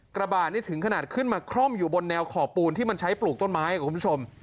กระบาดนี่ถึงขนาดขึ้นมาคล่อมอยู่บนแนวขอบปูนที่มันใช้ปลูกต้นไม้คุณผู้ชม